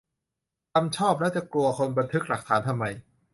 ทำชอบ แล้วจะกลัวคนบันทึกหลักฐานทำไม ?